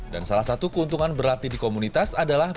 dan salah satu keuntungan berlatih di komunitas adalah